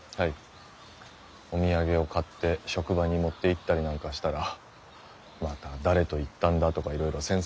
お土産を買って職場に持っていったりなんかしたらまた誰と行ったんだとかいろいろ詮索されるので。